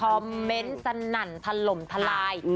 คอมเมนต์สนั่นถล่มทลาย